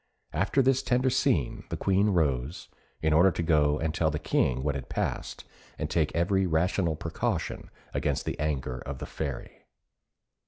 After this tender scene the Queen rose, in order to go and tell the King what had passed, and take every rational precaution against the anger of the Fairy.